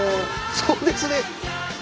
そうですね。